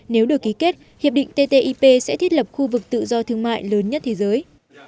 nếu được ký kết hiệp định ttip sẽ thiết lập khu vực tự do thương mại lớn nhất thế giới